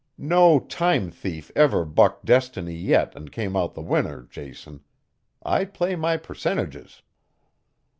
No time thief ever bucked destiny yet and came out the winner, Jason; I play my percentages."